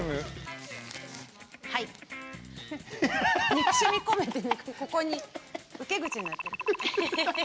憎しみ込めてここに受け口になってる。